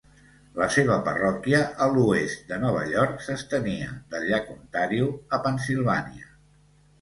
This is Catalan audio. La seva parròquia a l'oest de Nova York s'estenia del llac Ontario a Pennsilvània.